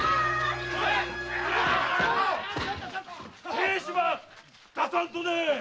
亭主ば出さんとね！